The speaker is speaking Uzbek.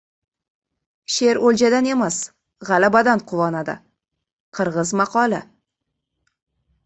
Sher o‘ljadan emas, g‘alabadan quvonadi. Qirg‘iz maqoli